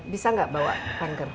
bisa gak bawa tanker